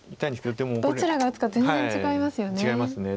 どちらが打つか全然違いますよね。